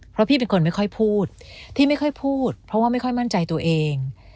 เพราะพี่เป็นคนไม่ค่อยพูดพี่ไม่ค่อยพูดเพราะว่าไม่ค่อยมั่นใจตัวเอง